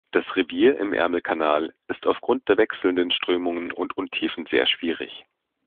Das Revier im Ärmelkanal ist aufgrund der wechselnden Strömungen und Untiefen sehr schwierig.